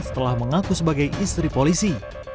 setelah mengaku sebagai istri polisi